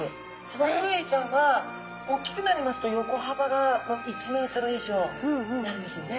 ツバクロエイちゃんは大きくなりますと横はばが１メートル以上になるんですよね。